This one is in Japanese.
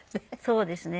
そうですね。